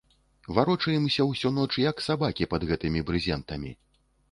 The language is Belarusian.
Варочаемся ўсю ноч, як сабакі, пад гэтымі брызентамі.